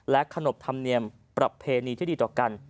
ขนบธรรมเนียมประเพณีที่ดีต่อกัน